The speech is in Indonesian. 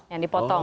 yang dipotong ya